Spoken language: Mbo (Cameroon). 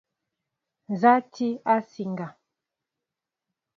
Nza a ti a nsiŋga?